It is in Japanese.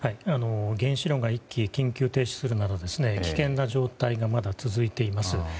原子炉が１基緊急停止するなど危険な状態がまだ続いています。